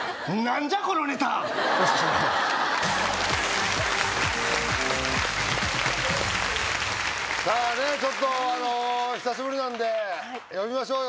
んじゃこのネタさあねちょっと久しぶりなんで呼びましょうよ